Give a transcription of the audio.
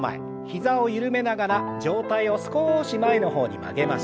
膝を緩めながら上体を少し前の方に曲げましょう。